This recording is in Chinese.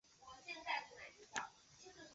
大花裂瓜为葫芦科裂瓜属下的一个种。